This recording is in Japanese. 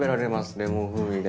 レモン風味で。